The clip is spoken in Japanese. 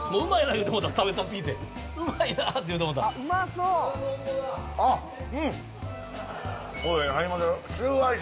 言うてもうた食べたすぎて「うまいな」って言うてもうたあっうん！